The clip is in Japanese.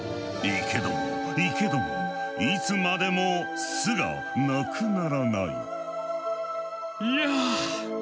行けども行けどもいつまでも巣がなくならない。